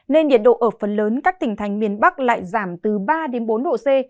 nên nhiệt độ ở phần lớn các tỉnh thành miền bắc lại giảm từ ba đến bốn độ c